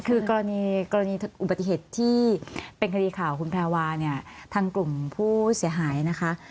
คือกรณีอุบัติเหตุที่เป็นคดีข่าวคุณแพรวาเนี่ยทางกลุ่มผู้เสียหายนะคะ